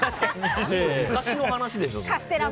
昔の話でしょ。